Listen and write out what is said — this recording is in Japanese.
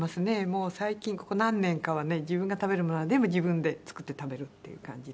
もう最近ここ何年かはね自分が食べるものは全部自分で作って食べるっていう感じで。